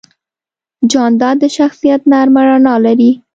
جانداد د شخصیت نرمه رڼا لري.